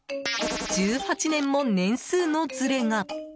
１８年も年数のズレが。